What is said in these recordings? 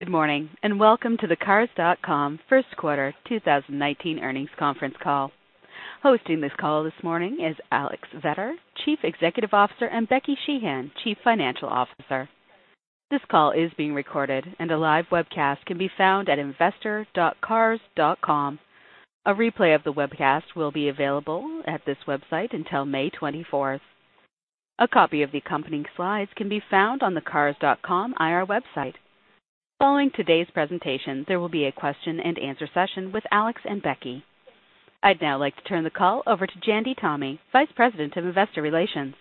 Good morning, and welcome to the Cars.com first quarter 2019 earnings conference call. Hosting this call this morning is Alex Vetter, Chief Executive Officer, and Becky Sheehan, Chief Financial Officer. This call is being recorded, and a live webcast can be found at investor.cars.com. A replay of the webcast will be available at this website until May 24th. A copy of the accompanying slides can be found on the Cars.com IR website. Following today's presentation, there will be a question and answer session with Alex and Becky. I'd now like to turn the call over to Jandy Tomy, Vice President of Investor Relations.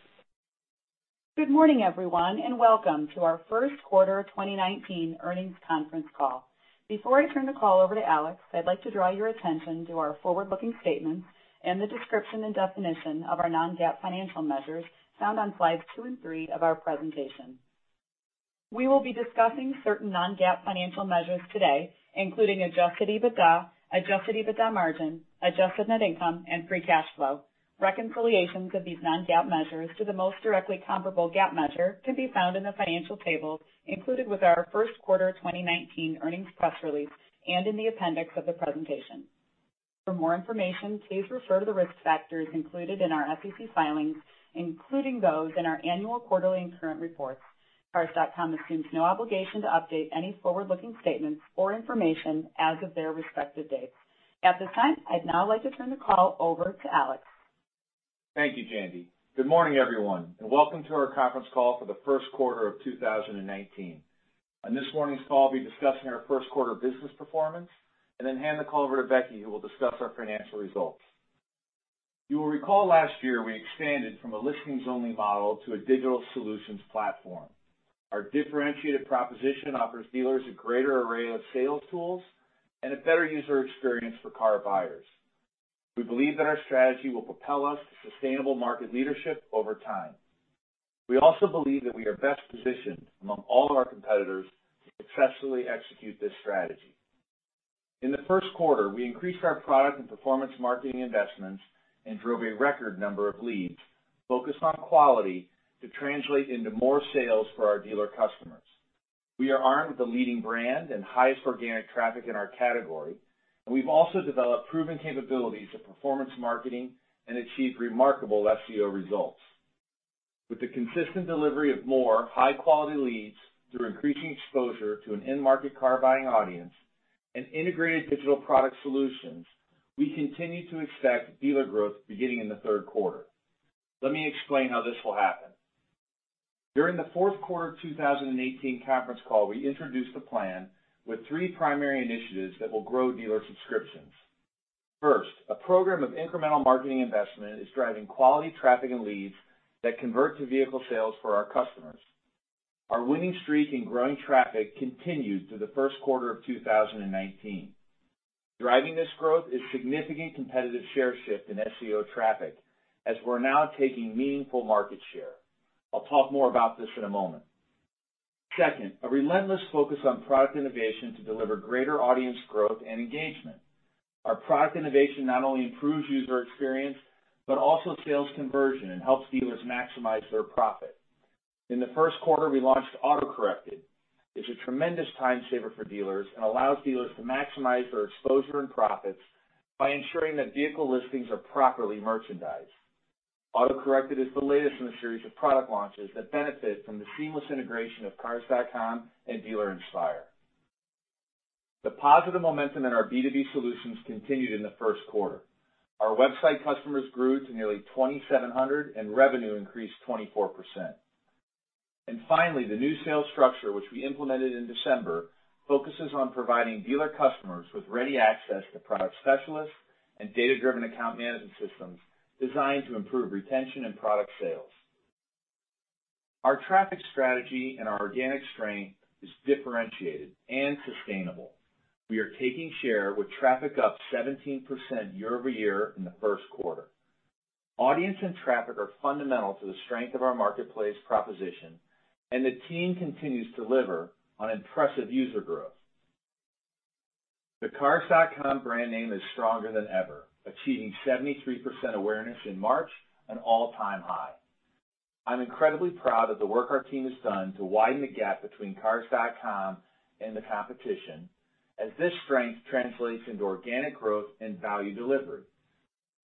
Good morning, everyone, and welcome to our first quarter 2019 earnings conference call. Before I turn the call over to Alex, I'd like to draw your attention to our forward-looking statements and the description and definition of our non-GAAP financial measures found on slides two and three of our presentation. We will be discussing certain non-GAAP financial measures today, including adjusted EBITDA, adjusted EBITDA margin, adjusted net income, and free cash flow. Reconciliations of these non-GAAP measures to the most directly comparable GAAP measure can be found in the financial table included with our first quarter 2019 earnings press release and in the appendix of the presentation. For more information, please refer to the risk factors included in our SEC filings, including those in our annual quarterly and current reports. Cars.com assumes no obligation to update any forward-looking statements or information as of their respective dates. At this time, I'd now like to turn the call over to Alex. Thank you, Jandy. Good morning, everyone, and welcome to our conference call for the first quarter of 2019. On this morning's call, I'll be discussing our first quarter business performance and then hand the call over to Becky, who will discuss our financial results. You will recall last year we expanded from a listings-only model to a digital solutions platform. Our differentiated proposition offers dealers a greater array of sales tools and a better user experience for car buyers. We believe that our strategy will propel us to sustainable market leadership over time. We also believe that we are best positioned among all of our competitors to successfully execute this strategy. In the first quarter, we increased our product and performance marketing investments and drove a record number of leads focused on quality to translate into more sales for our dealer customers. We are armed with a leading brand and highest organic traffic in our category, and we've also developed proven capabilities of performance marketing and achieved remarkable SEO results. With the consistent delivery of more high-quality leads through increasing exposure to an end market car buying audience and integrated digital product solutions, we continue to expect dealer growth beginning in the third quarter. Let me explain how this will happen. During the fourth quarter 2018 conference call, we introduced a plan with three primary initiatives that will grow dealer subscriptions. First, a program of incremental marketing investment is driving quality traffic and leads that convert to vehicle sales for our customers. Our winning streak in growing traffic continued through the first quarter of 2019. Driving this growth is significant competitive share shift in SEO traffic, as we are now taking meaningful market share. I will talk more about this in a moment. Second, a relentless focus on product innovation to deliver greater audience growth and engagement. Our product innovation not only improves user experience but also sales conversion and helps dealers maximize their profit. In the first quarter, we launched AutoCorrected. It is a tremendous time saver for dealers and allows dealers to maximize their exposure and profits by ensuring that vehicle listings are properly merchandised. AutoCorrected is the latest in a series of product launches that benefit from the seamless integration of Cars.com and Dealer Inspire. The positive momentum in our B2B solutions continued in the first quarter. Our website customers grew to nearly 2,700, and revenue increased 24%. Finally, the new sales structure, which we implemented in December, focuses on providing dealer customers with ready access to product specialists and data-driven account management systems designed to improve retention and product sales. Our traffic strategy and our organic strength is differentiated and sustainable. We are taking share with traffic up 17% year-over-year in the first quarter. Audience and traffic are fundamental to the strength of our marketplace proposition, and the team continues to deliver on impressive user growth. The Cars.com brand name is stronger than ever, achieving 73% awareness in March, an all-time high. I am incredibly proud of the work our team has done to widen the gap between Cars.com and the competition, as this strength translates into organic growth and value delivery.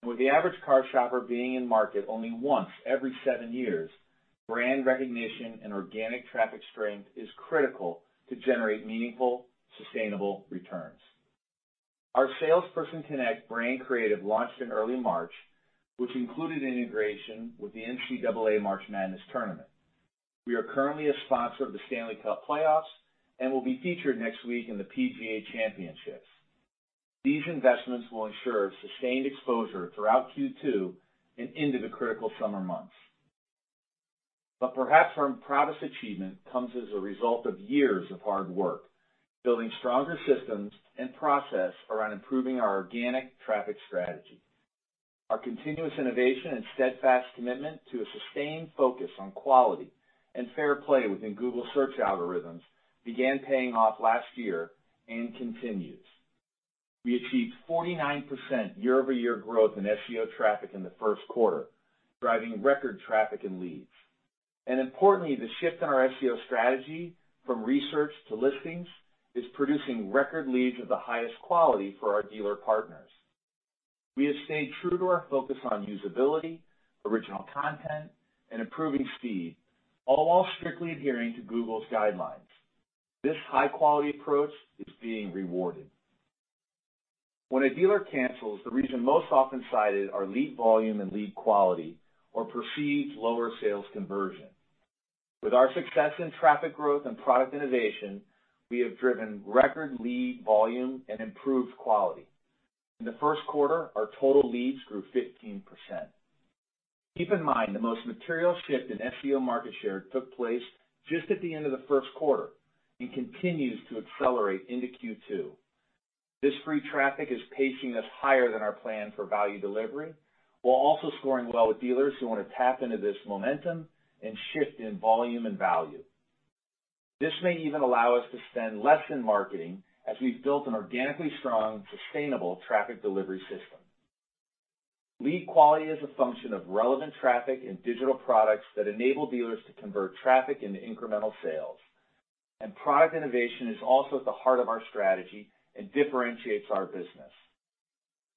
With the average car shopper being in market only once every seven years, brand recognition and organic traffic strength is critical to generate meaningful, sustainable returns. Our Salesperson Connect brand creative launched in early March, which included integration with the NCAA March Madness Tournament. We are currently a sponsor of the Stanley Cup Playoffs and will be featured next week in the PGA Championships. These investments will ensure sustained exposure throughout Q2 and into the critical summer months. Perhaps our proudest achievement comes as a result of years of hard work, building stronger systems and process around improving our organic traffic strategy. Our continuous innovation and steadfast commitment to a sustained focus on quality and fair play within Google Search algorithms began paying off last year and continues. We achieved 49% year-over-year growth in SEO traffic in the first quarter, driving record traffic and leads. Importantly, the shift in our SEO strategy from research to listings is producing record leads of the highest quality for our dealer partners. We have stayed true to our focus on usability, original content, and improving speed, all while strictly adhering to Google's guidelines. This high-quality approach is being rewarded. When a dealer cancels, the reason most often cited are lead volume and lead quality, or perceived lower sales conversion. With our success in traffic growth and product innovation, we have driven record lead volume and improved quality. In the first quarter, our total leads grew 15%. Keep in mind, the most material shift in SEO market share took place just at the end of the first quarter and continues to accelerate into Q2. This free traffic is pacing us higher than our plan for value delivery, while also scoring well with dealers who want to tap into this momentum and shift in volume and value. This may even allow us to spend less in marketing as we've built an organically strong, sustainable traffic delivery system. Lead quality is a function of relevant traffic and digital products that enable dealers to convert traffic into incremental sales. Product innovation is also at the heart of our strategy and differentiates our business.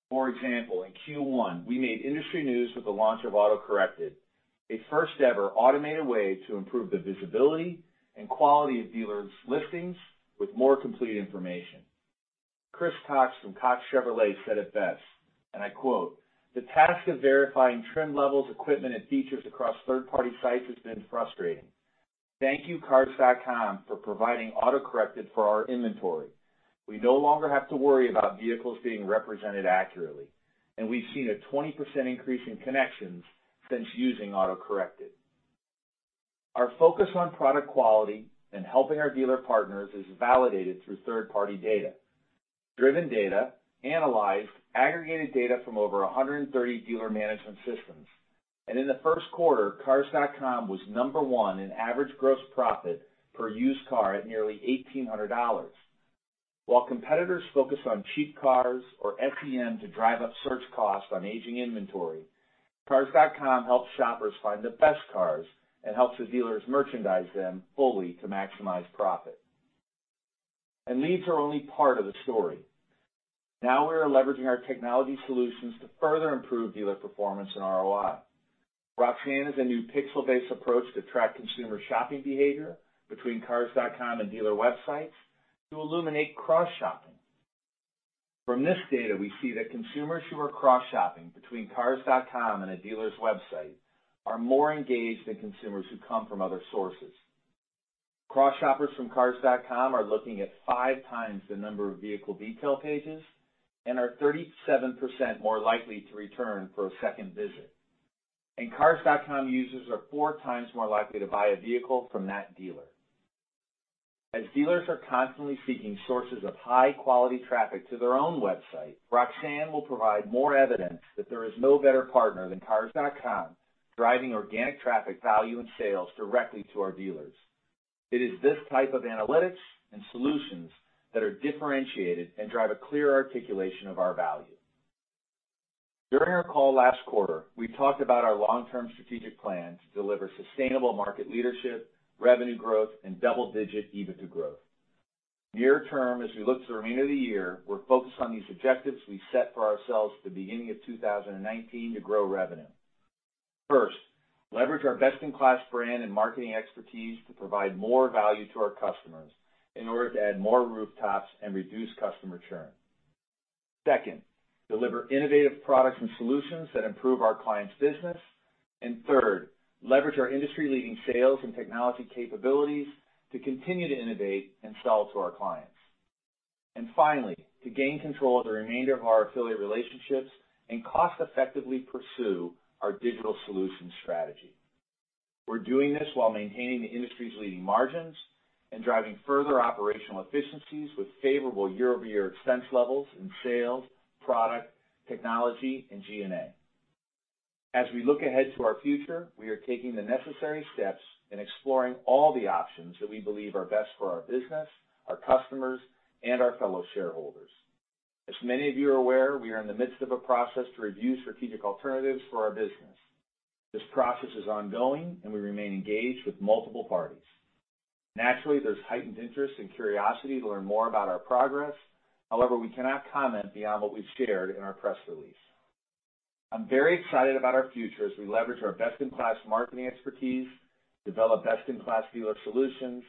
For example, in Q1, we made industry news with the launch of Auto Corrected, a first-ever automated way to improve the visibility and quality of dealers' listings with more complete information. Kris Cox from Cox Chevrolet said it best, and I quote, "The task of verifying trim levels, equipment, and features across third-party sites has been frustrating. Thank you, Cars.com, for providing Auto Corrected for our inventory. We no longer have to worry about vehicles being represented accurately, and we've seen a 20% increase in connections since using Auto Corrected." Our focus on product quality and helping our dealer partners is validated through third-party data. Driven Data analyze aggregated data from over 130 dealer management systems. In the first quarter, Cars.com was number one in average gross profit per used car at nearly $1,800. While competitors focus on cheap cars or SEM to drive up search costs on aging inventory, Cars.com helps shoppers find the best cars and helps the dealers merchandise them fully to maximize profit. Leads are only part of the story. Now we are leveraging our technology solutions to further improve dealer performance and ROI. Roxanne is a new pixel-based approach to track consumer shopping behavior between Cars.com and dealer websites to illuminate cross-shopping. From this data, we see that consumers who are cross-shopping between Cars.com and a dealer's website are more engaged than consumers who come from other sources. Cross-shoppers from Cars.com are looking at five times the number of vehicle detail pages and are 37% more likely to return for a second visit. Cars.com users are four times more likely to buy a vehicle from that dealer. As dealers are constantly seeking sources of high-quality traffic to their own website, Roxanne will provide more evidence that there is no better partner than Cars.com, driving organic traffic value and sales directly to our dealers. It is this type of analytics and solutions that are differentiated and drive a clear articulation of our value. During our call last quarter, we talked about our long-term strategic plan to deliver sustainable market leadership, revenue growth, and double-digit EBITDA growth. Near term, as we look to the remainder of the year, we're focused on these objectives we set for ourselves at the beginning of 2019 to grow revenue. First, leverage our best-in-class brand and marketing expertise to provide more value to our customers in order to add more rooftops and reduce customer churn. Second, deliver innovative products and solutions that improve our clients' business. Third, leverage our industry-leading sales and technology capabilities to continue to innovate and sell to our clients. Finally, to gain control of the remainder of our affiliate relationships and cost-effectively pursue our digital solution strategy. We're doing this while maintaining the industry's leading margins and driving further operational efficiencies with favorable year-over-year expense levels in sales, product, technology, and G&A. As we look ahead to our future, we are taking the necessary steps and exploring all the options that we believe are best for our business, our customers, and our fellow shareholders. As many of you are aware, we are in the midst of a process to review strategic alternatives for our business. This process is ongoing, and we remain engaged with multiple parties. Naturally, there's heightened interest and curiosity to learn more about our progress. However, we cannot comment beyond what we've shared in our press release. I'm very excited about our future as we leverage our best-in-class marketing expertise, develop best-in-class dealer solutions,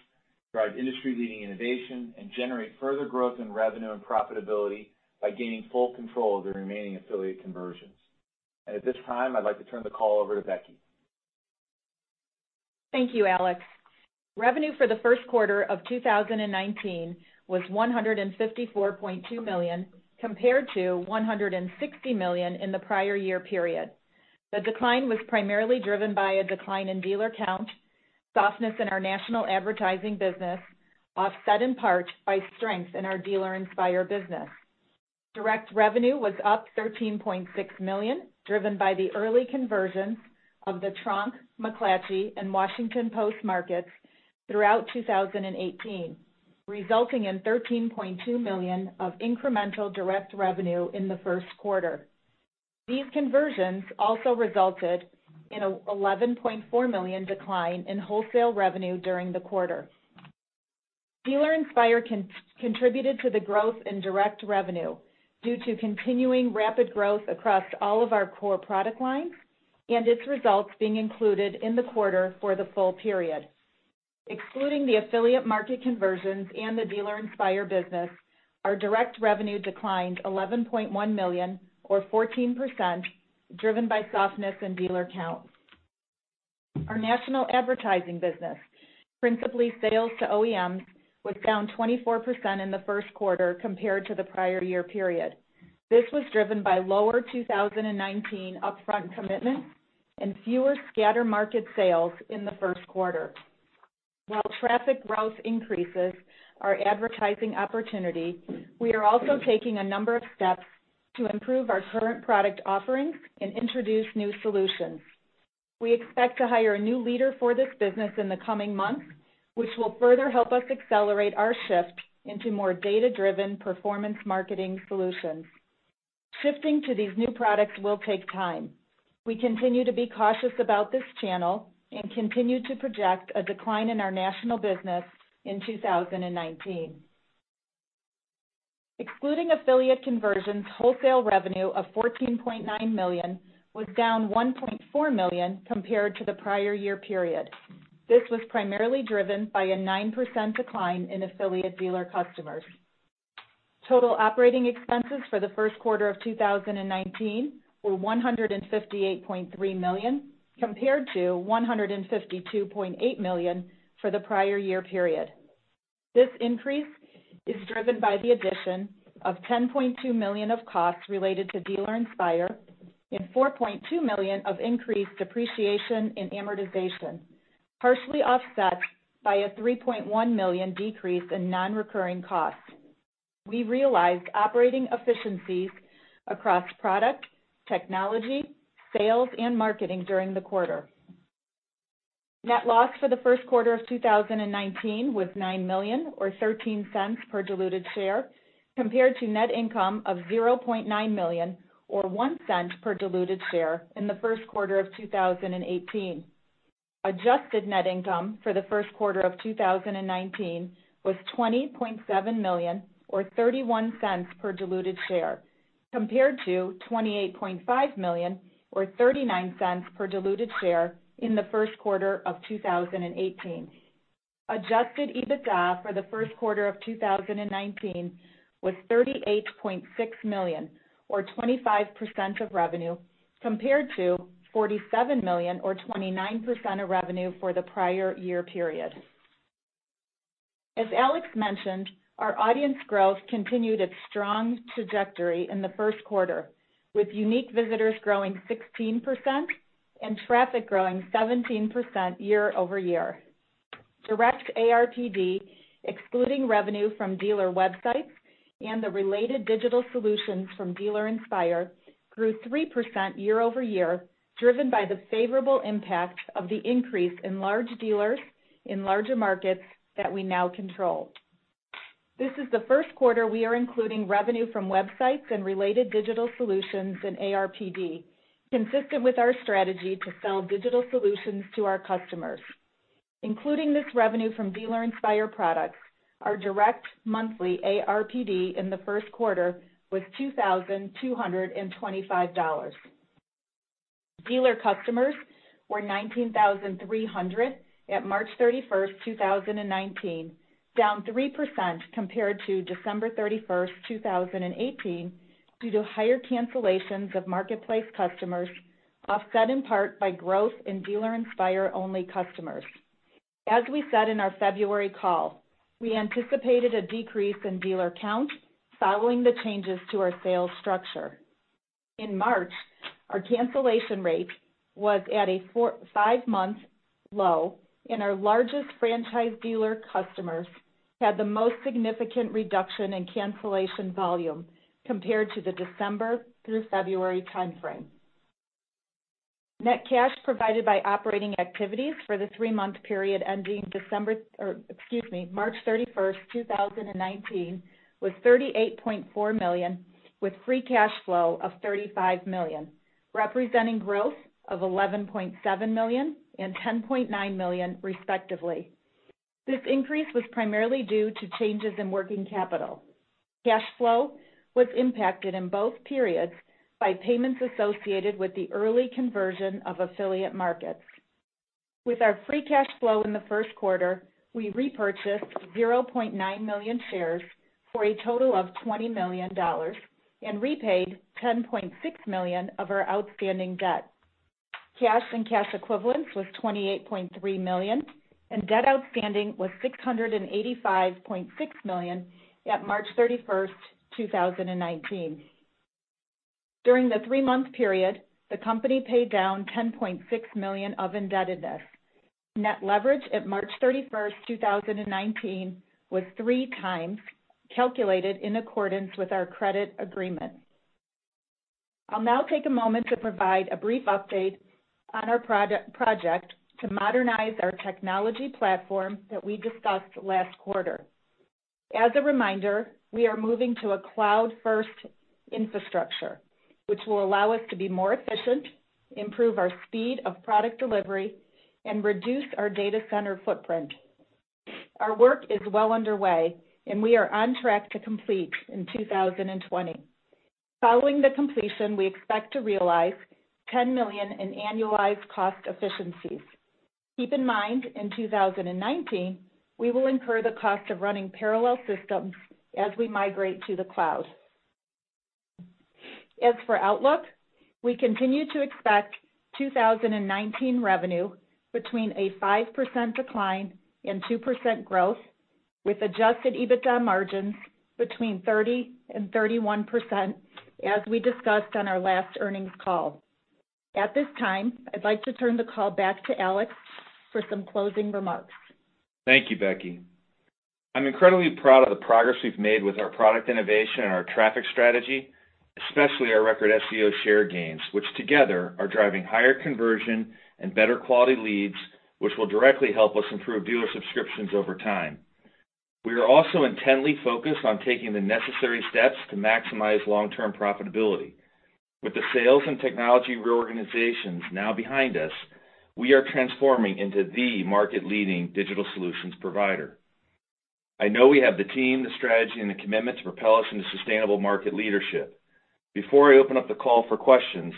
drive industry-leading innovation, and generate further growth in revenue and profitability by gaining full control of the remaining affiliate conversions. At this time, I'd like to turn the call over to Becky. Thank you, Alex. Revenue for the first quarter of 2019 was $154.2 million, compared to $160 million in the prior year period. The decline was primarily driven by a decline in dealer count, softness in our national advertising business, offset in part by strength in our Dealer Inspire business. Direct revenue was up $13.6 million, driven by the early conversions of the Tronc, McClatchy, and The Washington Post markets throughout 2018, resulting in $13.2 million of incremental direct revenue in the first quarter. These conversions also resulted in a $11.4 million decline in wholesale revenue during the quarter. Dealer Inspire contributed to the growth in direct revenue due to continuing rapid growth across all of our core product lines and its results being included in the quarter for the full period. Excluding the affiliate market conversions and the Dealer Inspire business, our direct revenue declined $11.1 million or 14%, driven by softness in dealer count. Our national advertising business, principally sales to OEMs, was down 24% in the first quarter compared to the prior year period. This was driven by lower 2019 upfront commitments and fewer scatter market sales in the first quarter. While traffic growth increases our advertising opportunity, we are also taking a number of steps to improve our current product offerings and introduce new solutions. We expect to hire a new leader for this business in the coming months, which will further help us accelerate our shift into more data-driven performance marketing solutions. Shifting to these new products will take time. We continue to be cautious about this channel and continue to project a decline in our national business in 2019. Excluding affiliate conversions, wholesale revenue of $14.9 million was down $1.4 million compared to the prior year period. This was primarily driven by a 9% decline in affiliate dealer customers. Total operating expenses for the first quarter of 2019 were $158.3 million, compared to $152.8 million for the prior year period. This increase is driven by the addition of $10.2 million of costs related to Dealer Inspire and $4.2 million of increased depreciation and amortization, partially offset by a $3.1 million decrease in non-recurring costs. We realized operating efficiencies across product, technology, sales, and marketing during the quarter. Net loss for the first quarter of 2019 was $9 million or $0.13 per diluted share, compared to net income of $0.9 million or $0.01 per diluted share in the first quarter of 2018. Adjusted net income for the first quarter of 2019 was $20.7 million or $0.31 per diluted share, compared to $28.5 million or $0.39 per diluted share in the first quarter of 2018. Adjusted EBITDA for the first quarter of 2019 was $38.6 million or 25% of revenue, compared to $47 million or 29% of revenue for the prior year period. As Alex mentioned, our audience growth continued its strong trajectory in the first quarter, with unique visitors growing 16% and traffic growing 17% year-over-year. Direct ARPD, excluding revenue from dealer websites and the related digital solutions from Dealer Inspire, grew 3% year-over-year, driven by the favorable impact of the increase in large dealers in larger markets that we now control. This is the first quarter we are including revenue from websites and related digital solutions in ARPD, consistent with our strategy to sell digital solutions to our customers. Including this revenue from Dealer Inspire products, our direct monthly ARPD in the first quarter was $2,225. Dealer customers were 19,300 at March 31st, 2019, down 3% compared to December 31st, 2018, due to higher cancellations of marketplace customers, offset in part by growth in Dealer Inspire-only customers. As we said in our February call, we anticipated a decrease in dealer count following the changes to our sales structure. In March, our cancellation rate was at a five-month low, and our largest franchise dealer customers had the most significant reduction in cancellation volume compared to the December through February timeframe. Net cash provided by operating activities for the three-month period ending December or, excuse me, March 31st, 2019 was $38.4 million, with free cash flow of $35 million, representing growth of $11.7 million and $10.9 million respectively. This increase was primarily due to changes in working capital. Cash flow was impacted in both periods by payments associated with the early conversion of affiliate markets. With our free cash flow in the first quarter, we repurchased $0.9 million shares for a total of $20 million and repaid $10.6 million of our outstanding debt. Cash and cash equivalents was $28.3 million, and debt outstanding was $685.6 million at March 31st, 2019. During the three-month period, the company paid down $10.6 million of indebtedness. Net leverage at March 31st, 2019 was three times calculated in accordance with our credit agreement. I'll now take a moment to provide a brief update on our project to modernize our technology platform that we discussed last quarter. As a reminder, we are moving to a cloud-first infrastructure, which will allow us to be more efficient, improve our speed of product delivery, and reduce our data center footprint. Our work is well underway, and we are on track to complete in 2020. Following the completion, we expect to realize $10 million in annualized cost efficiencies. Keep in mind, in 2019, we will incur the cost of running parallel systems as we migrate to the cloud. As for outlook, we continue to expect 2019 revenue between a 5% decline and 2% growth, with adjusted EBITDA margins between 30% and 31%, as we discussed on our last earnings call. At this time, I'd like to turn the call back to Alex for some closing remarks. Thank you, Becky. I'm incredibly proud of the progress we've made with our product innovation and our traffic strategy, especially our record SEO share gains, which together are driving higher conversion and better quality leads, which will directly help us improve dealer subscriptions over time. We are also intently focused on taking the necessary steps to maximize long-term profitability. With the sales and technology reorganizations now behind us, we are transforming into the market leading digital solutions provider. I know we have the team, the strategy, and the commitment to propel us into sustainable market leadership. Before I open up the call for questions,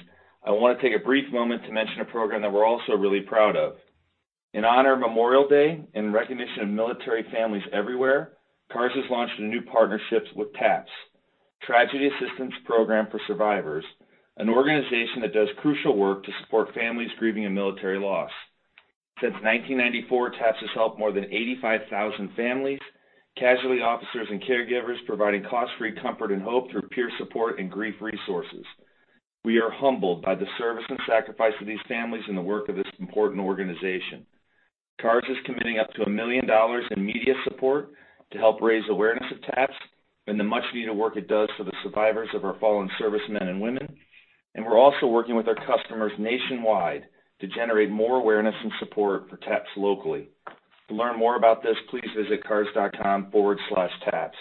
I want to take a brief moment to mention a program that we're also really proud of. In honor of Memorial Day and in recognition of military families everywhere, Cars has launched a new partnership with TAPS, Tragedy Assistance Program for Survivors, an organization that does crucial work to support families grieving a military loss. Since 1994, TAPS has helped more than 85,000 families, casualty officers, and caregivers, providing cost-free comfort and hope through peer support and grief resources. We are humbled by the service and sacrifice of these families and the work of this important organization. Cars is committing up to $1 million in media support to help raise awareness of TAPS and the much-needed work it does for the survivors of our fallen servicemen and women. We're also working with our customers nationwide to generate more awareness and support for TAPS locally. To learn more about this, please visit cars.com/taps.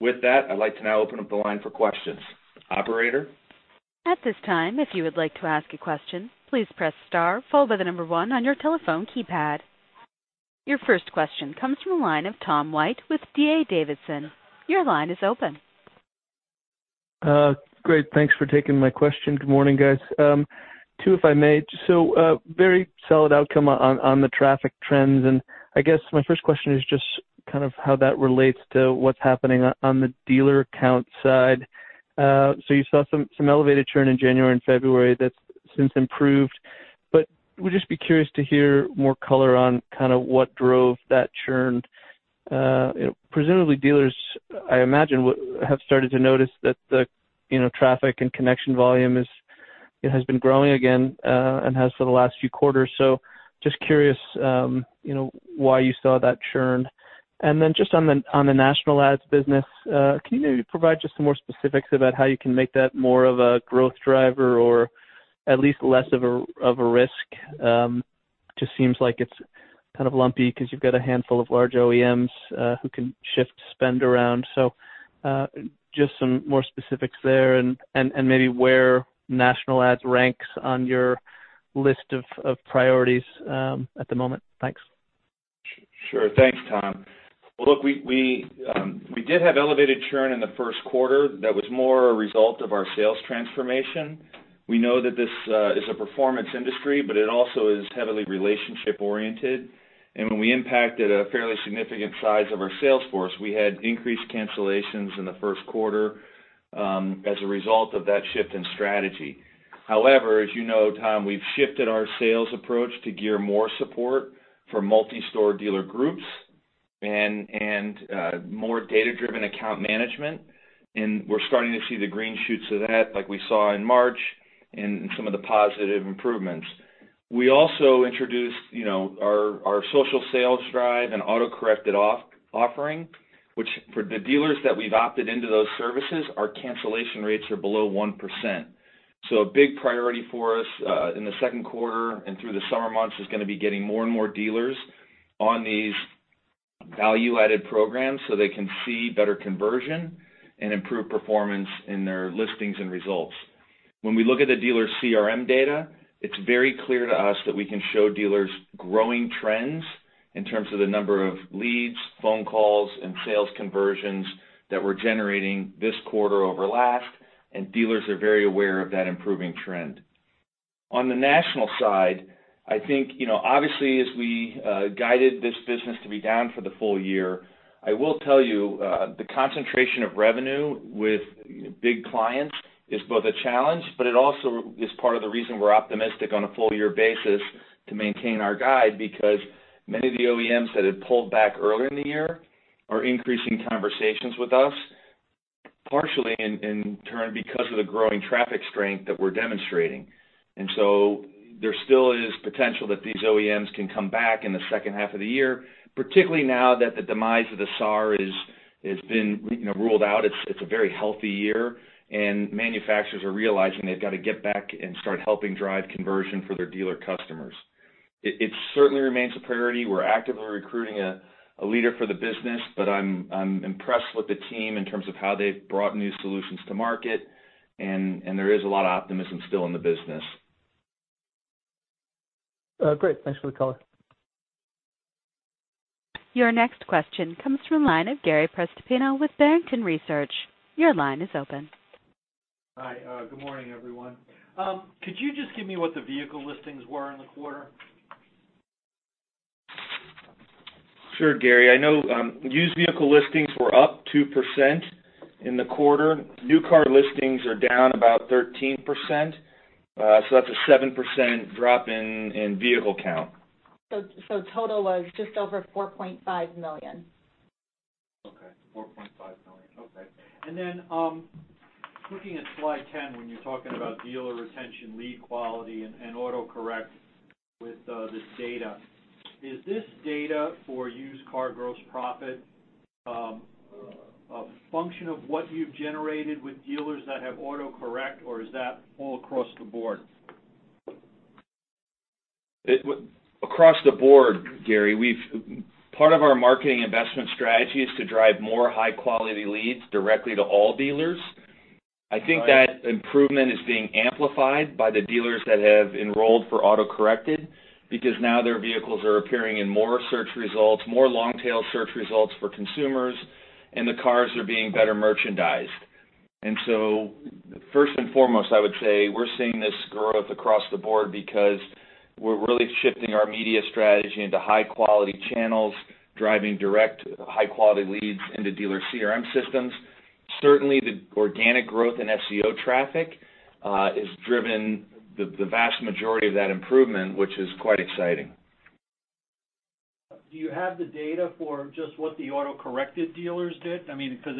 With that, I'd like to now open up the line for questions. Operator? At this time, if you would like to ask a question, please press star followed by the number one on your telephone keypad. Your first question comes from the line of Tom White with D.A. Davidson. Your line is open. Great. Thanks for taking my question. Good morning, guys. Two, if I may. Very solid outcome on the traffic trends and I guess my first question is just kind of how that relates to what's happening on the dealer count side. You saw some elevated churn in January and February that's since improved, but would just be curious to hear more color on kind of what drove that churn. Presumably dealers, I imagine, have started to notice that the traffic and connection volume has been growing again and has for the last few quarters. Just curious why you saw that churn. Then just on the national ads business, can you maybe provide just some more specifics about how you can make that more of a growth driver or at least less of a risk? Just seems like it's kind of lumpy because you've got a handful of large OEMs who can shift spend around. Just some more specifics there and maybe where national ads ranks on your list of priorities at the moment. Thanks. Sure. Thanks, Tom. Well, look, we did have elevated churn in the first quarter that was more a result of our sales transformation. We know that this is a performance industry, but it also is heavily relationship oriented. When we impacted a fairly significant size of our sales force, we had increased cancellations in the first quarter as a result of that shift in strategy. However, as you know, Tom, we've shifted our sales approach to gear more support for multi-store dealer groups and more data-driven account management. We're starting to see the green shoots of that like we saw in March and some of the positive improvements. We also introduced our Social Sales Drive and AutoCorrected offering, which for the dealers that we've opted into those services, our cancellation rates are below 1%. A big priority for us in the second quarter and through the summer months is going to be getting more and more dealers on these value-added programs so they can see better conversion and improved performance in their listings and results. When we look at the dealer CRM data, it's very clear to us that we can show dealers growing trends in terms of the number of leads, phone calls, and sales conversions that we're generating this quarter over last, and dealers are very aware of that improving trend. On the national side, I think obviously as we guided this business to be down for the full year, I will tell you the concentration of revenue with big clients is both a challenge, but it also is part of the reason we're optimistic on a full year basis to maintain our guide because many of the OEMs that had pulled back earlier in the year are increasing conversations with us, partially in turn because of the growing traffic strength that we're demonstrating. There still is potential that these OEMs can come back in the second half of the year, particularly now that the demise of the SAR. It's been ruled out. It's a very healthy year, and manufacturers are realizing they've got to get back and start helping drive conversion for their dealer customers. It certainly remains a priority. We're actively recruiting a leader for the business, but I'm impressed with the team in terms of how they've brought new solutions to market, and there is a lot of optimism still in the business. Great. Thanks for the call. Your next question comes from the line of Gary Prestopino with Barrington Research. Your line is open. Hi. Good morning, everyone. Could you just give me what the vehicle listings were in the quarter? Sure, Gary. I know used vehicle listings were up 2% in the quarter. New car listings are down about 13%, that's a 7% drop in vehicle count. Total was just over 4.5 million. Okay. $4.5 million. Okay. Looking at slide 10, when you're talking about dealer retention, lead quality, and AutoCorrect with this data. Is this data for used car gross profit a function of what you've generated with dealers that have AutoCorrect, or is that all across the board? Across the board, Gary. Part of our marketing investment strategy is to drive more high-quality leads directly to all dealers. Right. I think that improvement is being amplified by the dealers that have enrolled for Auto Corrected, because now their vehicles are appearing in more search results, more long-tail search results for consumers, and the cars are being better merchandised. First and foremost, I would say we're seeing this growth across the board because we're really shifting our media strategy into high-quality channels, driving direct high-quality leads into dealer CRM systems. Certainly, the organic growth in SEO traffic has driven the vast majority of that improvement, which is quite exciting. Do you have the data for just what the Auto Corrected dealers did? Because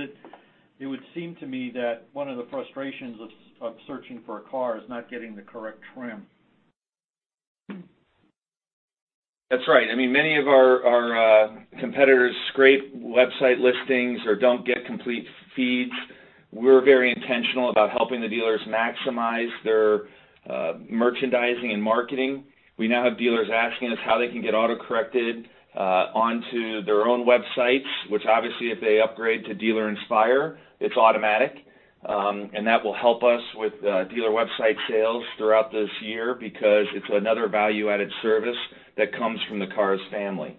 it would seem to me that one of the frustrations of searching for a car is not getting the correct trim. That's right. Many of our competitors scrape website listings or don't get complete feeds. We're very intentional about helping the dealers maximize their merchandising and marketing. We now have dealers asking us how they can get autocorrected onto their own websites, which obviously, if they upgrade to Dealer Inspire, it's automatic, and that will help us with dealer website sales throughout this year because it's another value-added service that comes from the Cars family.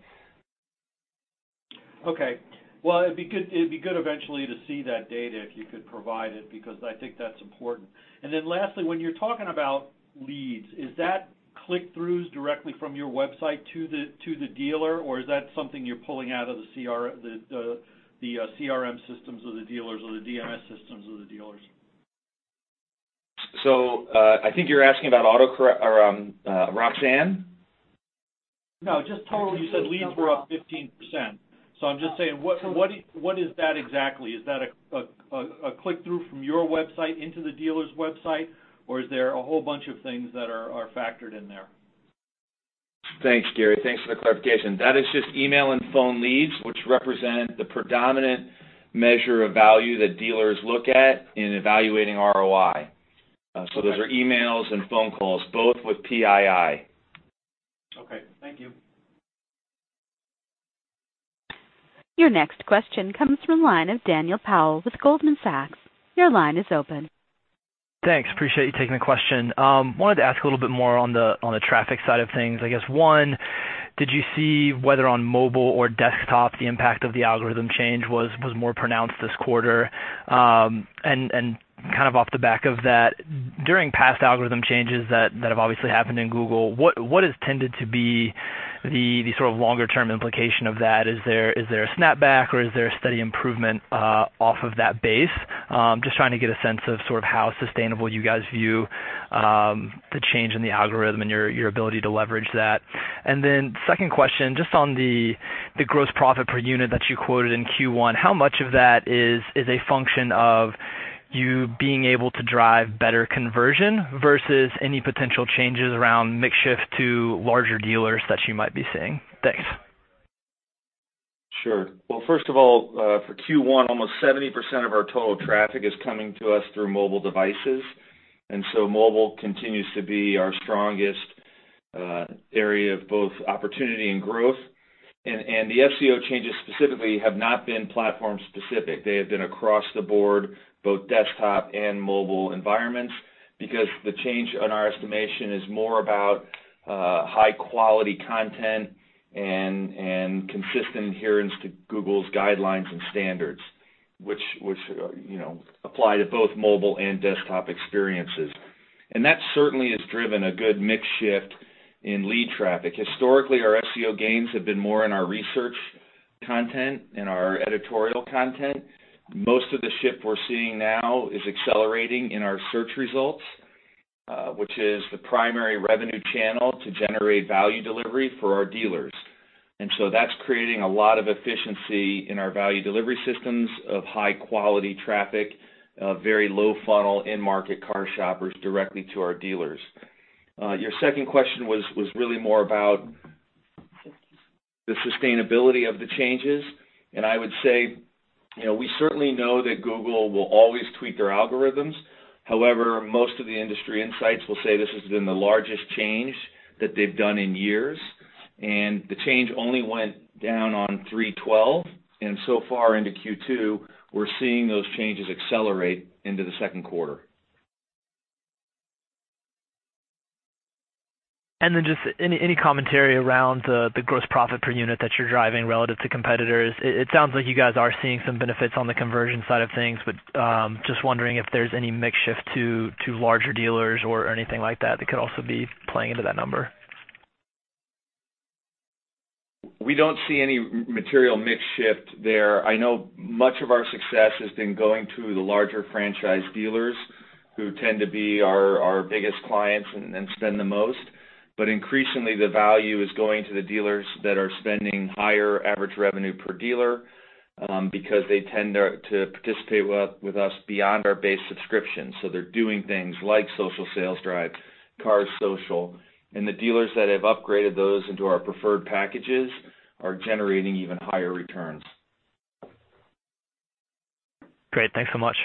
It'd be good eventually to see that data, if you could provide it, because I think that's important. Then lastly, when you're talking about leads, is that click-throughs directly from your website to the dealer, or is that something you're pulling out of the CRM systems of the dealers or the DMS systems of the dealers? I think you're asking about AutoCorrect, Roxanne? No, just total. You said leads were up 15%. I'm just saying, what is that exactly? Is that a click-through from your website into the dealer's website, or is there a whole bunch of things that are factored in there? Thanks, Gary. Thanks for the clarification. That is just email and phone leads, which represent the predominant measure of value that dealers look at in evaluating ROI. Those are emails and phone calls, both with PII. Okay. Thank you. Your next question comes from the line of Daniel Powell with Goldman Sachs. Your line is open. Thanks. Appreciate you taking the question. Wanted to ask a little bit more on the traffic side of things. I guess one, did you see whether on mobile or desktop, the impact of the algorithm change was more pronounced this quarter? Off the back of that, during past algorithm changes that have obviously happened in Google, what has tended to be the sort of longer-term implication of that? Is there a snap back or is there a steady improvement off of that base? Just trying to get a sense of sort of how sustainable you guys view the change in the algorithm and your ability to leverage that. second question, just on the gross profit per unit that you quoted in Q1, how much of that is a function of you being able to drive better conversion versus any potential changes around mix shift to larger dealers that you might be seeing? Thanks. Sure. Well, first of all, for Q1, almost 70% of our total traffic is coming to us through mobile devices. Mobile continues to be our strongest area of both opportunity and growth. The SEO changes specifically have not been platform-specific. They have been across the board, both desktop and mobile environments, because the change on our estimation is more about high-quality content and consistent adherence to Google's guidelines and standards, which apply to both mobile and desktop experiences. That certainly has driven a good mix shift in lead traffic. Historically, our SEO gains have been more in our research content and our editorial content. Most of the shift we are seeing now is accelerating in our search results, which is the primary revenue channel to generate value delivery for our dealers. That's creating a lot of efficiency in our value delivery systems of high-quality traffic, very low funnel end market car shoppers directly to our dealers. Your second question was really more about the sustainability of the changes, and I would say, we certainly know that Google will always tweak their algorithms. However, most of the industry insights will say this has been the largest change that they've done in years, and the change only went down on 3/12, and so far into Q2, we are seeing those changes accelerate into the second quarter. Just any commentary around the gross profit per unit that you are driving relative to competitors. It sounds like you guys are seeing some benefits on the conversion side of things, but just wondering if there's any mix shift to larger dealers or anything like that could also be playing into that number. We don't see any material mix shift there. I know much of our success has been going to the larger franchise dealers who tend to be our biggest clients and spend the most. Increasingly, the value is going to the dealers that are spending higher average revenue per dealer, because they tend to participate with us beyond our base subscription. They're doing things like Social Sales Drive, Cars Social, and the dealers that have upgraded those into our preferred packages are generating even higher returns. Great. Thanks so much.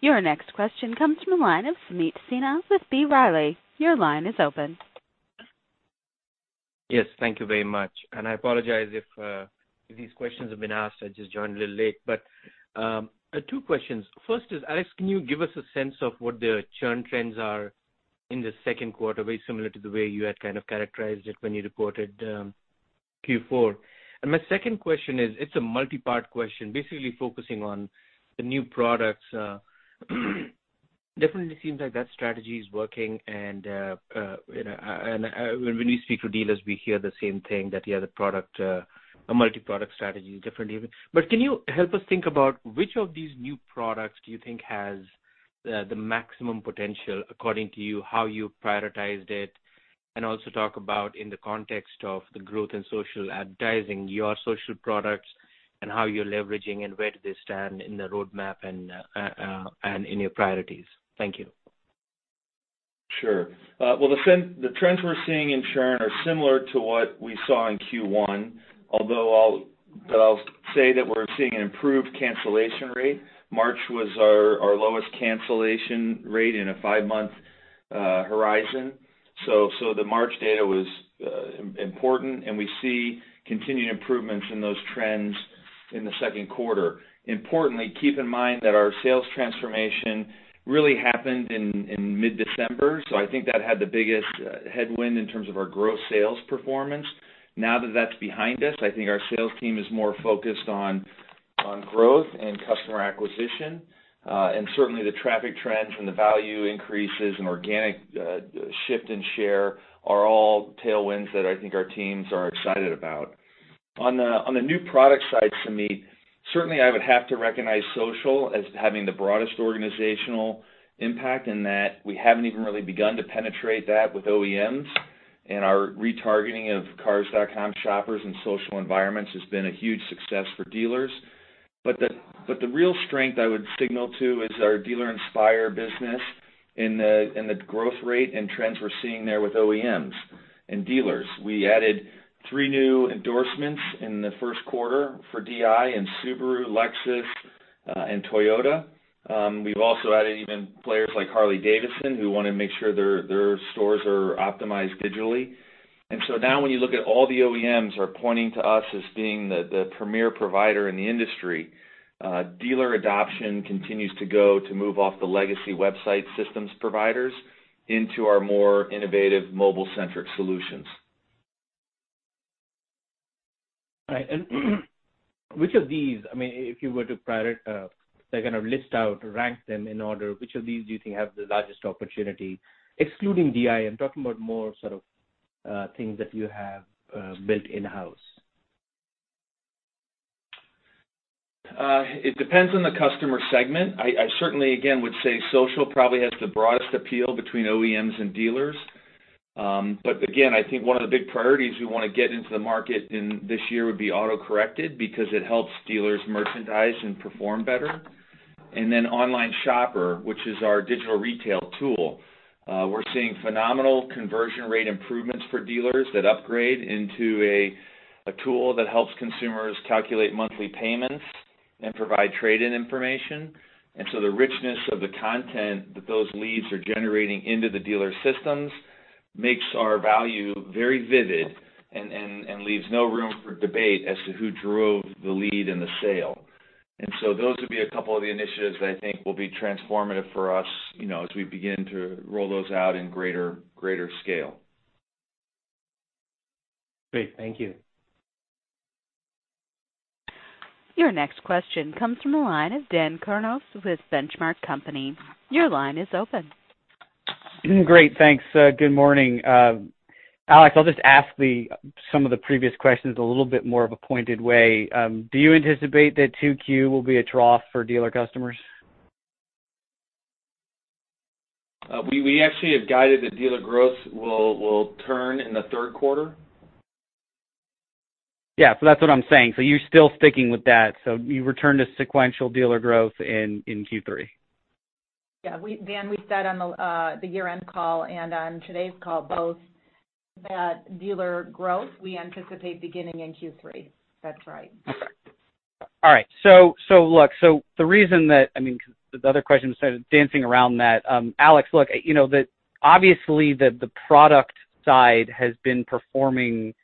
Your next question comes from the line of Sameet Sinha with B. Riley. Your line is open. Yes, thank you very much. I apologize if these questions have been asked. I just joined a little late. Two questions. First is, Alex, can you give us a sense of what the churn trends are in the second quarter, very similar to the way you had kind of characterized it when you reported Q4? My second question is, it's a multi-part question, basically focusing on the new products. Definitely seems like that strategy is working and when we speak to dealers, we hear the same thing that, yeah, the multi-product strategy is different. Can you help us think about which of these new products do you think has the maximum potential according to you, how you prioritized it, and also talk about in the context of the growth in social advertising, your social products and how you're leveraging and where do they stand in the roadmap and in your priorities? Thank you. Sure. Well, the trends we're seeing in churn are similar to what we saw in Q1, although I'll say that we're seeing an improved cancellation rate. March was our lowest cancellation rate in a five-month horizon. The March data was important, and we see continued improvements in those trends in the second quarter. Importantly, keep in mind that our sales transformation really happened in mid-December, I think that had the biggest headwind in terms of our gross sales performance. Now that that's behind us, I think our sales team is more focused on growth and customer acquisition. Certainly, the traffic trends and the value increases and organic shift in share are all tailwinds that I think our teams are excited about. On the new product side, Sameet, certainly I would have to recognize social as having the broadest organizational impact in that we haven't even really begun to penetrate that with OEMs, and our retargeting of cars.com shoppers and social environments has been a huge success for dealers. The real strength I would signal to is our Dealer Inspire business and the growth rate and trends we're seeing there with OEMs and dealers. We added three new endorsements in the first quarter for DI in Subaru, Lexus, and Toyota. We've also added even players like Harley-Davidson, who want to make sure their stores are optimized digitally. Now when you look at all the OEMs are pointing to us as being the premier provider in the industry, dealer adoption continues to go to move off the legacy website systems providers into our more innovative mobile-centric solutions. All right. Which of these, if you were to list out, rank them in order, which of these do you think have the largest opportunity, excluding DI? I'm talking about more sort of things that you have built in-house. It depends on the customer segment. I certainly, again, would say social probably has the broadest appeal between OEMs and dealers. Again, I think one of the big priorities we want to get into the market in this year would be Auto Corrected because it helps dealers merchandise and perform better. Online Shopper, which is our digital retail tool. We're seeing phenomenal conversion rate improvements for dealers that upgrade into a tool that helps consumers calculate monthly payments and provide trade-in information. The richness of the content that those leads are generating into the dealer systems makes our value very vivid and leaves no room for debate as to who drove the lead in the sale. Those would be a couple of the initiatives that I think will be transformative for us as we begin to roll those out in greater scale. Great. Thank you. Your next question comes from the line of Dan Carnes with The Benchmark Company. Your line is open. Great. Thanks. Good morning. Alex, I'll just ask some of the previous questions a little bit more of a pointed way. Do you anticipate that 2Q will be a trough for dealer customers? We actually have guided the dealer growth will turn in the third quarter. Yeah. That's what I'm saying. You're still sticking with that. You return to sequential dealer growth in Q3? Yeah. Dan, we said on the year-end call and on today's call both that dealer growth we anticipate beginning in Q3. That's right. Okay. All right. Look, the other question started dancing around that. Alex, look, obviously the product side has been performing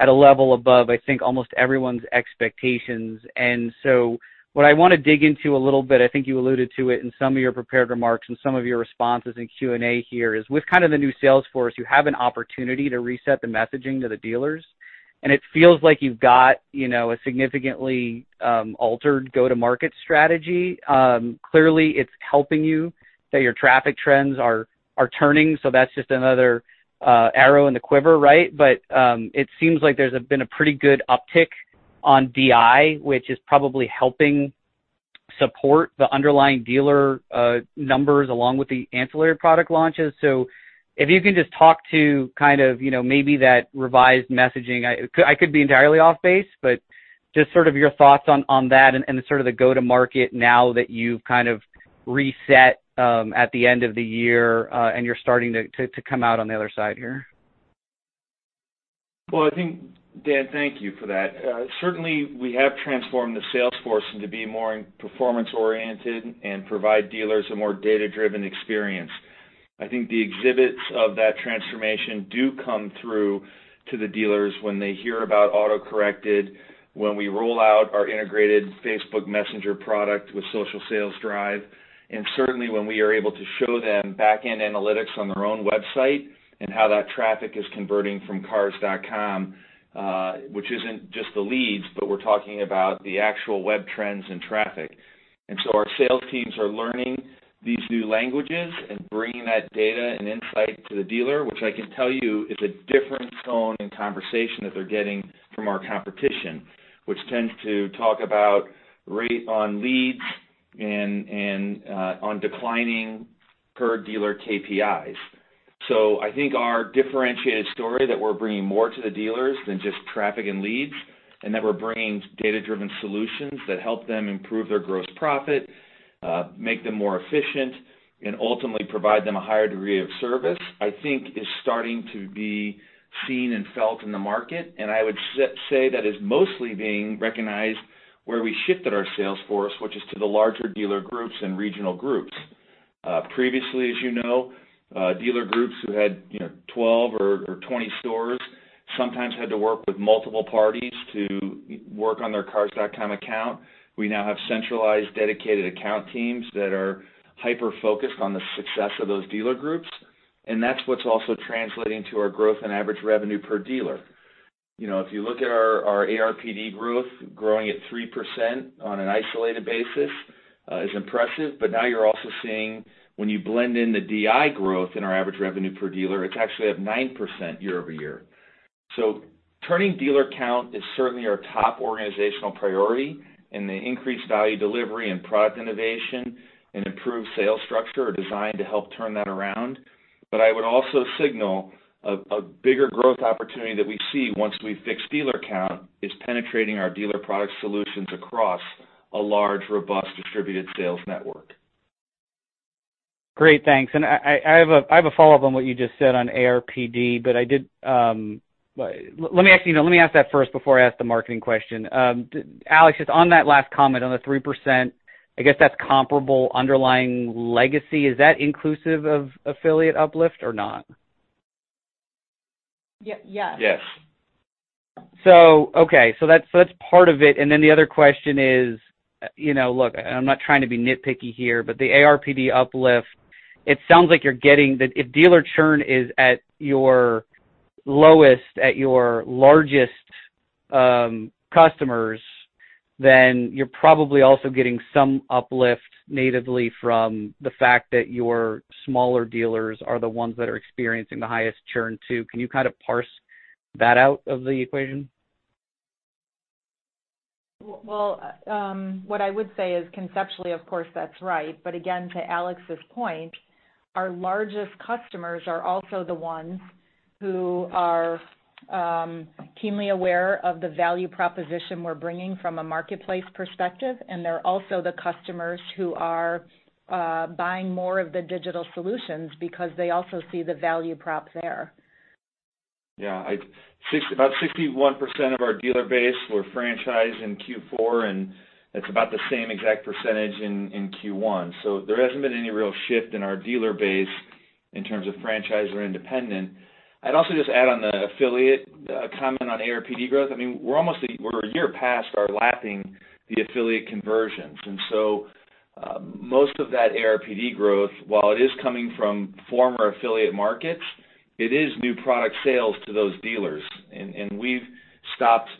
at a level above, I think, almost everyone's expectations. What I want to dig into a little bit, I think you alluded to it in some of your prepared remarks and some of your responses in Q&A here, is with kind of the new sales force, you have an opportunity to reset the messaging to the dealers, and it feels like you've got a significantly altered go-to-market strategy. Clearly, it's helping you that your traffic trends are turning, so that's just another arrow in the quiver, right? But it seems like there's been a pretty good uptick on DI, which is probably helping support the underlying dealer numbers along with the ancillary product launches. If you can just talk to kind of maybe that revised messaging. I could be entirely off-base, just sort of your thoughts on that and the sort of the go-to-market now that you've kind of reset at the end of the year, you're starting to come out on the other side here. Well, I think, Dan, thank you for that. Certainly, we have transformed the sales force to be more performance-oriented and provide dealers a more data-driven experience. I think the exhibits of that transformation do come through to the dealers when they hear about Auto Corrected, when we roll out our integrated Facebook Messenger product with Social Sales Drive, and certainly when we are able to show them back-end analytics on their own website and how that traffic is converting from Cars.com, which isn't just the leads, but we're talking about the actual web trends and traffic. Our sales teams are learning these new languages and bringing that data and insight to the dealer, which I can tell you is a different tone and conversation that they're getting from our competition, which tends to talk about rate on leads and on declining per dealer KPIs. I think our differentiated story that we're bringing more to the dealers than just traffic and leads, and that we're bringing data-driven solutions that help them improve their gross profit, make them more efficient, and ultimately provide them a higher degree of service, I think is starting to be seen and felt in the market. I would say that is mostly being recognized where we shifted our sales force, which is to the larger dealer groups and regional groups. Previously, as you know, dealer groups who had 12 or 20 stores sometimes had to work with multiple parties to work on their Cars.com account. We now have centralized dedicated account teams that are hyper-focused on the success of those dealer groups, and that's what's also translating to our growth in average revenue per dealer. If you look at our ARPD growth, growing at 3% on an isolated basis is impressive, now you're also seeing when you blend in the DI growth in our average revenue per dealer, it's actually up 9% year-over-year. Turning dealer count is certainly our top organizational priority, and the increased value delivery and product innovation and improved sales structure are designed to help turn that around. I would also signal a bigger growth opportunity that we see once we fix dealer count is penetrating our dealer product solutions across a large, robust distributed sales network. Great. Thanks. I have a follow-up on what you just said on ARPD. Let me ask that first before I ask the marketing question. Alex, just on that last comment on the 3%, I guess that's comparable underlying legacy. Is that inclusive of affiliate uplift or not? Yes. Yes. Okay. That's part of it, the other question is look, I'm not trying to be nitpicky here, the ARPD uplift, it sounds like if dealer churn is at your lowest at your largest customers, then you're probably also getting some uplift natively from the fact that your smaller dealers are the ones that are experiencing the highest churn too. Can you kind of parse that out of the equation? Well, what I would say is conceptually, of course, that's right. Again, to Alex's point, our largest customers are also the ones who are keenly aware of the value proposition we're bringing from a marketplace perspective, and they're also the customers who are buying more of the digital solutions because they also see the value prop there. Yeah. About 61% of our dealer base were franchised in Q4, it's about the same exact percentage in Q1. There hasn't been any real shift in our dealer base in terms of franchised or independent. I'd also just add on the affiliate comment on ARPD growth. We're a year past our lapping the affiliate conversions, most of that ARPD growth, while it is coming from former affiliate markets, it is new product sales to those dealers. We've stopped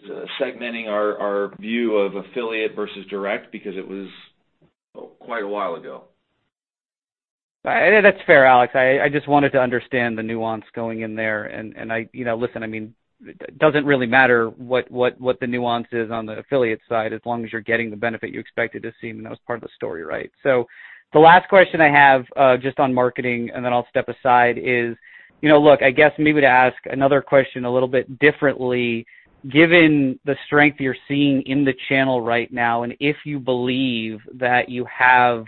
segmenting our view of affiliate versus direct because it was quite a while ago. That's fair, Alex. I just wanted to understand the nuance going in there. Listen, it doesn't really matter what the nuance is on the affiliate side, as long as you're getting the benefit you expected to see, and that was part of the story, right? The last question I have just on marketing, then I'll step aside, is, look, I guess maybe to ask another question a little bit differently, given the strength you're seeing in the channel right now, if you believe that you have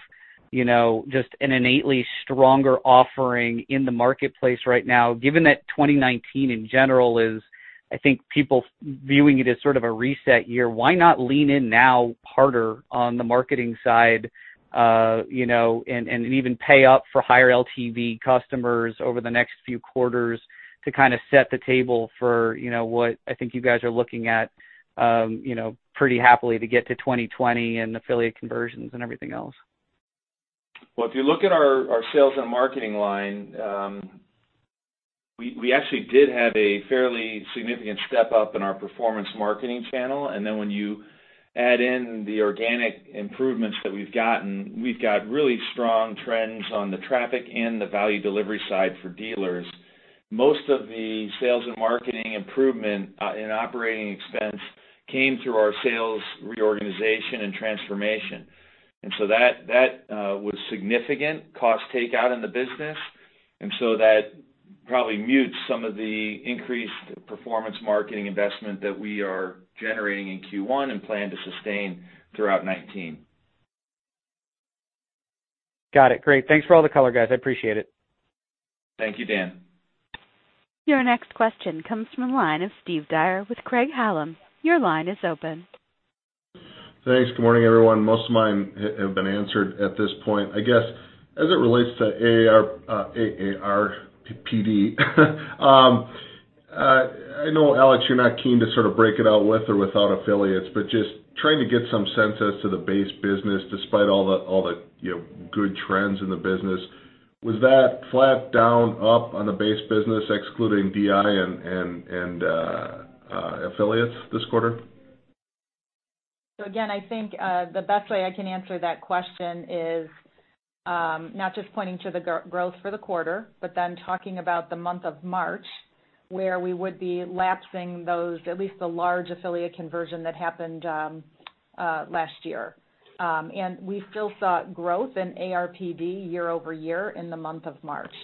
just an innately stronger offering in the marketplace right now, given that 2019 in general is, I think, people viewing it as sort of a reset year, why not lean in now harder on the marketing side, even pay up for higher LTV customers over the next few quarters to kind of set the table for what I think you guys are looking at pretty happily to get to 2020 and affiliate conversions and everything else? Well, if you look at our sales and marketing line, we actually did have a fairly significant step up in our performance marketing channel. Then when you add in the organic improvements that we've gotten, we've got really strong trends on the traffic and the value delivery side for dealers. Most of the sales and marketing improvement in operating expense came through our sales reorganization and transformation. That was significant cost takeout in the business. That probably mutes some of the increased performance marketing investment that we are generating in Q1 and plan to sustain throughout 2019. Got it. Great. Thanks for all the color, guys. I appreciate it. Thank you, Dan. Your next question comes from the line of Steve Dyer with Craig-Hallum. Your line is open. Thanks. Good morning, everyone. Most of mine have been answered at this point. I guess, as it relates to ARPD, I know, Alex, you're not keen to sort of break it out with or without affiliates, but just trying to get some sense as to the base business, despite all the good trends in the business. Was that flat down/up on the base business excluding DI and affiliates this quarter? Again, I think, the best way I can answer that question is not just pointing to the growth for the quarter, but talking about the month of March, where we would be lapsing those, at least the large affiliate conversion that happened last year. We still saw growth in ARPD year-over-year in the month of March.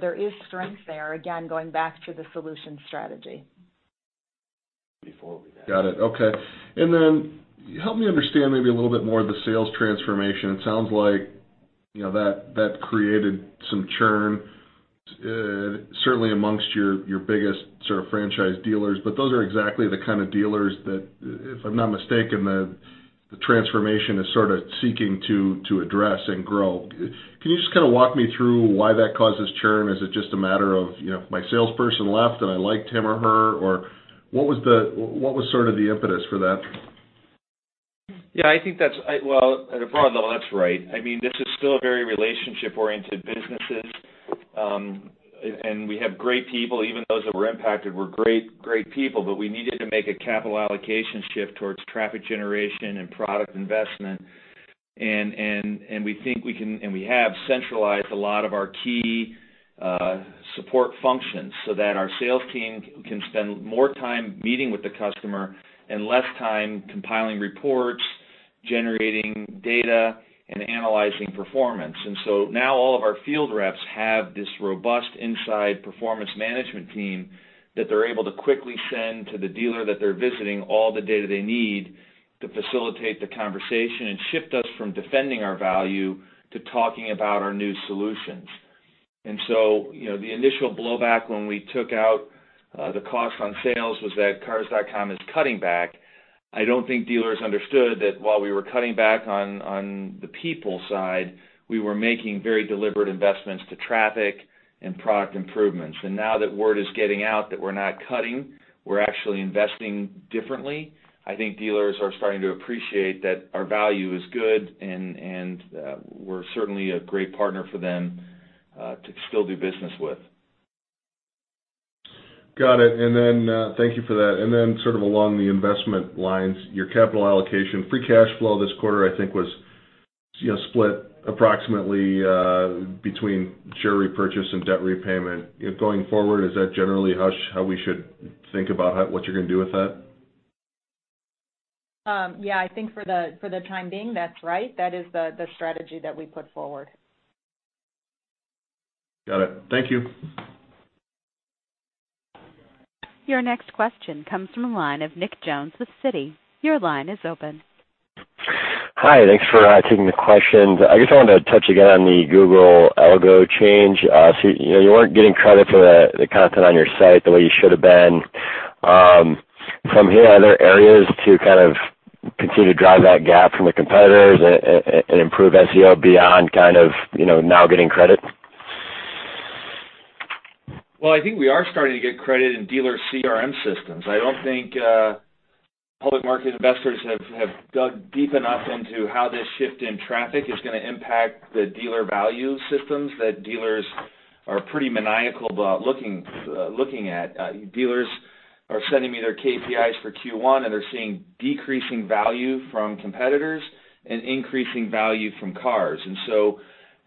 There is strength there, again, going back to the solution strategy. Before we had- Got it. Okay. Help me understand maybe a little bit more of the sales transformation. It sounds like that created some churn, certainly amongst your biggest sort of franchise dealers. Those are exactly the kind of dealers that, if I'm not mistaken, the transformation is sort of seeking to address and grow. Can you just kind of walk me through why that causes churn? Is it just a matter of my salesperson left, and I liked him or her, or what was sort of the impetus for that? Well, I think that's right. At a broad level, that's right. This is still a very relationship-oriented business. We have great people, even those that were impacted were great people, but we needed to make a capital allocation shift towards traffic generation and product investment. We think we can, and we have centralized a lot of our key support functions so that our sales team can spend more time meeting with the customer and less time compiling reports, generating data, and analyzing performance. Now all of our field reps have this robust inside performance management team that they're able to quickly send to the dealer that they're visiting all the data they need to facilitate the conversation and shift us from defending our value to talking about our new solutions. The initial blowback when we took out the cost on sales was that Cars.com is cutting back. I don't think dealers understood that while we were cutting back on the people side, we were making very deliberate investments to traffic and product improvements. Now that word is getting out that we're not cutting, we're actually investing differently. I think dealers are starting to appreciate that our value is good and we're certainly a great partner for them, to still do business with. Got it. Thank you for that. Sort of along the investment lines, your capital allocation free cash flow this quarter, I think was split approximately between share repurchase and debt repayment. Going forward, is that generally how we should think about what you're going to do with that? Yeah, I think for the time being, that's right. That is the strategy that we put forward. Got it. Thank you. Your next question comes from a line of Nick Jones with Citi. Your line is open. Hi. Thanks for taking the questions. I just wanted to touch again on the Google algo change. You weren't getting credit for the content on your site the way you should have been. From here, are there areas to kind of continue to drive that gap from the competitors and improve SEO beyond kind of now getting credit? Well, I think we are starting to get credit in dealer CRM systems. I don't think public market investors have dug deep enough into how this shift in traffic is going to impact the dealer value systems that dealers are pretty maniacal about looking at. Dealers are sending me their KPIs for Q1. They're seeing decreasing value from competitors and increasing value from cars.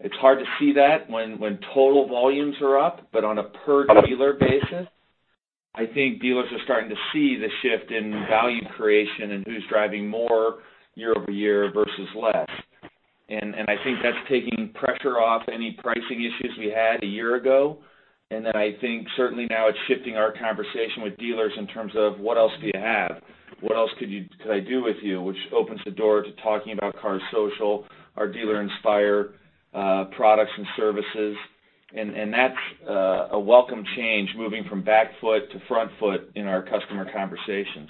It's hard to see that when total volumes are up, but on a per dealer basis I think dealers are starting to see the shift in value creation and who's driving more year-over-year versus less. I think that's taking pressure off any pricing issues we had a year ago. Then I think certainly now it's shifting our conversation with dealers in terms of, what else do you have? What else could I do with you? Which opens the door to talking about Cars Social, our Dealer Inspire products and services, and that's a welcome change, moving from back foot to front foot in our customer conversations.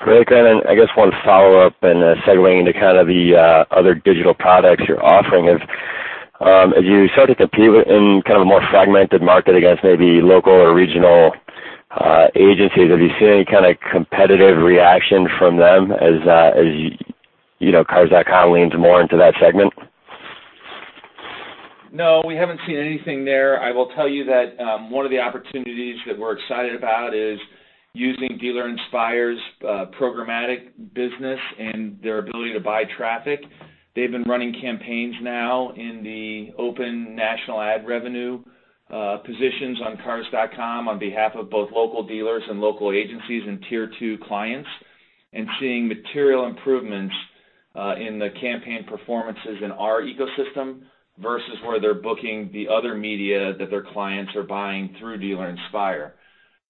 Great, [Ken]. I guess one follow-up and segue into kind of the other digital products you're offering is, as you start to compete in kind of a more fragmented market against maybe local or regional agencies, have you seen any kind of competitive reaction from them as cars.com leans more into that segment? No, we haven't seen anything there. I will tell you that one of the opportunities that we're excited about is using Dealer Inspire's programmatic business and their ability to buy traffic. They've been running campaigns now in the open national ad revenue positions on cars.com on behalf of both local dealers and local agencies and tier 2 clients, and seeing material improvements in the campaign performances in our ecosystem versus where they're booking the other media that their clients are buying through Dealer Inspire.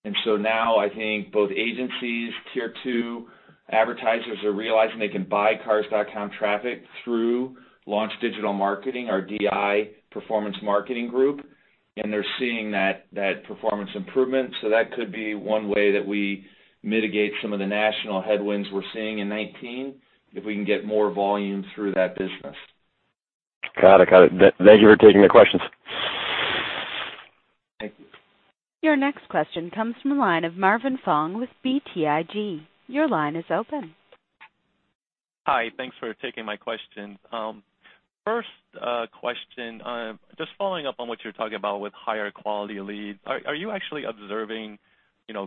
Now I think both agencies, tier 2 advertisers are realizing they can buy cars.com traffic through Launch Digital Marketing, our DI performance marketing group, and they're seeing that performance improvement. That could be one way that we mitigate some of the national headwinds we're seeing in 19, if we can get more volume through that business. Got it. Thank you for taking the questions. Thank you. Your next question comes from the line of Marvin Fong with BTIG. Your line is open. Hi. Thanks for taking my question. First question, just following up on what you're talking about with higher quality leads. Are you actually observing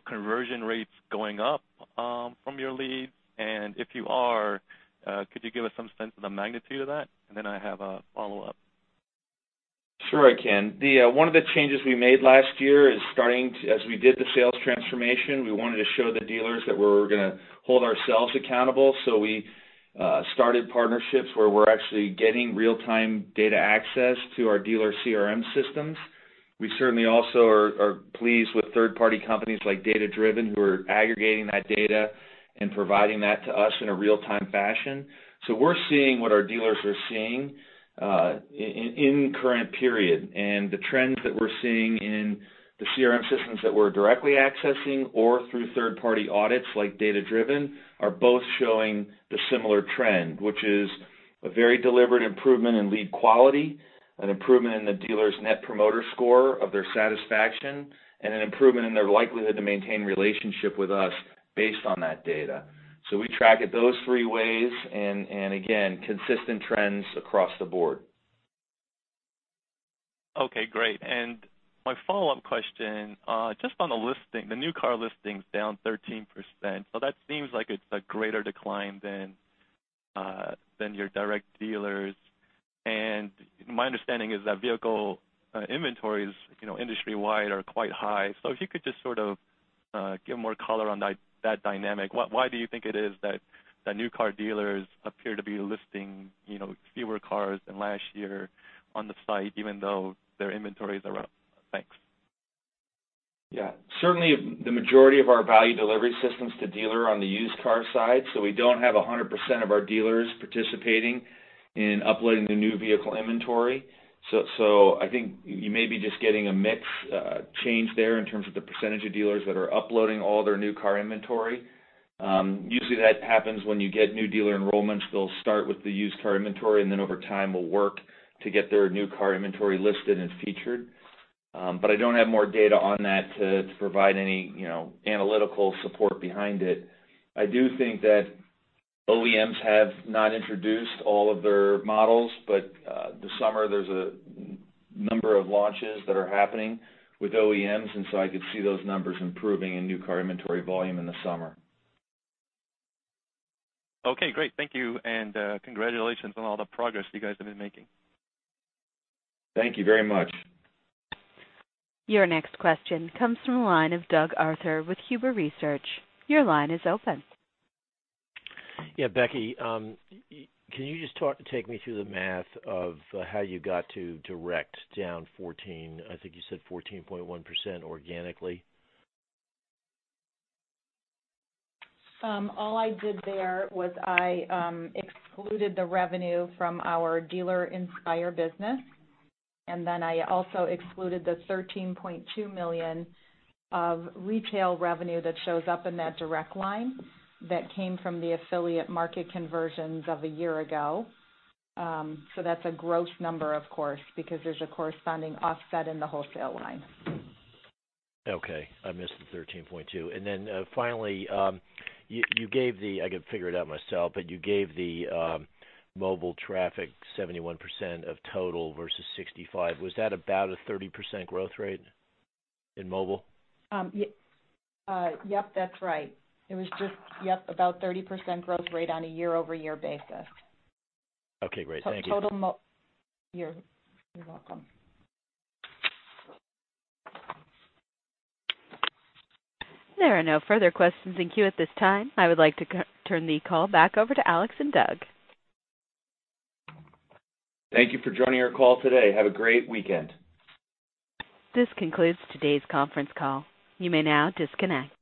conversion rates going up from your leads? If you are, could you give us some sense of the magnitude of that? Then I have a follow-up. Sure, I can. One of the changes we made last year as we did the sales transformation, we wanted to show the dealers that we were going to hold ourselves accountable, so we started partnerships where we're actually getting real-time data access to our dealer CRM systems. We certainly also are pleased with third-party companies like Driven Data, who are aggregating that data and providing that to us in a real time fashion. We're seeing what our dealers are seeing in current period. The trends that we're seeing in the CRM systems that we're directly accessing or through third-party audits like Driven Data, are both showing the similar trend, which is a very deliberate improvement in lead quality, an improvement in the dealer's net promoter score of their satisfaction, and an improvement in their likelihood to maintain relationship with us based on that data. We track it those three ways, and again, consistent trends across the board. Okay, great. My follow-up question, just on the listing, the new car listings down 13%. That seems like it's a greater decline than your direct dealers. My understanding is that vehicle inventories industry-wide are quite high. If you could just sort of give more color on that dynamic. Why do you think it is that the new car dealers appear to be listing fewer cars than last year on the site, even though their inventories are up? Thanks. Yeah. Certainly the majority of our value delivery systems to dealer are on the used car side. So we don't have 100% of our dealers participating in uploading the new vehicle inventory. So I think you may be just getting a mix change there in terms of the percentage of dealers that are uploading all their new car inventory. Usually, that happens when you get new dealer enrollments. They'll start with the used car inventory and then over time will work to get their new car inventory listed and featured. But I don't have more data on that to provide any analytical support behind it. I do think that OEMs have not introduced all of their models, but this summer there's a number of launches that are happening with OEMs, and so I could see those numbers improving in new car inventory volume in the summer. Okay, great. Thank you, and congratulations on all the progress you guys have been making. Thank you very much. Your next question comes from the line of Doug Arthur with Huber Research. Your line is open. Becky, can you just take me through the math of how you got to direct down 14, I think you said 14.1% organically? All I did there was I excluded the revenue from our Dealer Inspire business, I also excluded the $13.2 million of retail revenue that shows up in that direct line that came from the affiliate market conversions of a year ago. That's a gross number, of course, because there's a corresponding offset in the wholesale line. Okay. I missed the 13.2. Finally, you gave the I could figure it out myself, but you gave the mobile traffic 71% of total versus 65. Was that about a 30% growth rate in mobile? Yep, that's right. It was just, yep, about 30% growth rate on a year-over-year basis. Okay, great. Thank you. You're welcome. There are no further questions in queue at this time. I would like to turn the call back over to Alex and Doug. Thank you for joining our call today. Have a great weekend. This concludes today's conference call. You may now disconnect.